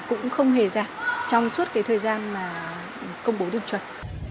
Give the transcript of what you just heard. cũng không hề giảm trong suốt cái thời gian mà công bố điểm chuẩn